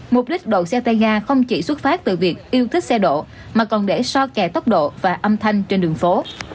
mục đích đậu xe tay ga không chỉ xuất phát từ việc yêu thích xe độ mà còn để so kẻ tốc độ và âm thanh trên đường phố